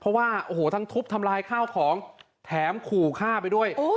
เพราะว่าโอ้โหทั้งทุบทำลายข้าวของแถมขู่ฆ่าไปด้วย